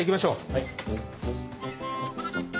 はい。